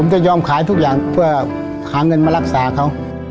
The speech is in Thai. ก็ยอมขายทุกอย่างเพื่อหาเงินมารักษาเขา